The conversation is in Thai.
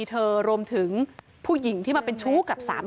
แต่เธอก็ไม่ละความพยายาม